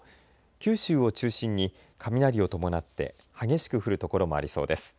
九州を中心に雷を伴って激しく降る所もありそうです。